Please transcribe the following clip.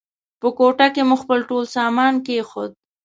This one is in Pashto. په کوټه کې مو خپل ټول سامان کېښود.